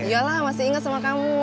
yaudah masih ingat sama kamu